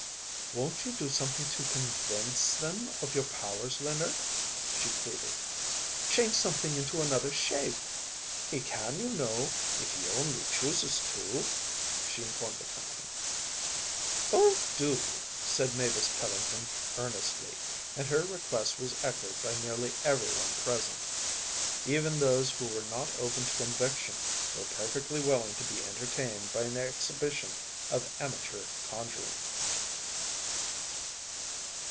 “Won’t you do something to convince them of your powers, Leonard?‚ÄĚ she pleaded; “change something into another shape. He can, you know, if he only chooses to,‚ÄĚ she informed the company. “Oh, do,‚ÄĚ said Mavis Pellington earnestly, and her request was echoed by nearly everyone present. Even those who were not open to conviction were perfectly willing to be entertained by an exhibition of amateur conjuring.